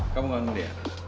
kamu kangen liat